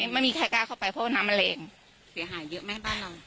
ไม่มีใครกล้าเข้าไปเพราะว่าน้ำมันแรงเสียหายเยอะไหมบ้านเรา